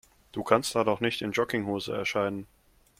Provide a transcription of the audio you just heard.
Du kannst da doch nicht in Jogginghose erscheinen.